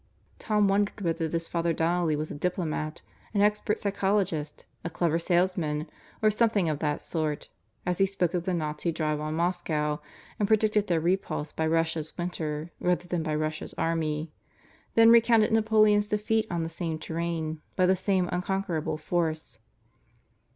Tom wondered whether this Father Donnelly was a diplomat, an expert psychologist, a clever salesman, or something of that sort as he spoke of the Nazi drive on Moscow and predicted their repulse by Russia's winter rather than by Russia's army, then recounted Napoleon's defeat on the same terrain by the same unconquerable force.